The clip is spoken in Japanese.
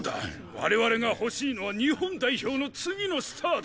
我々が欲しいのは日本代表の次のスターだ！